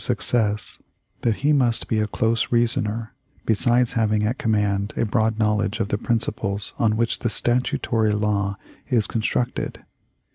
success that he must be a close reasoner, besides having at command a broad knowledge of the principles on which the statutory law is con structed.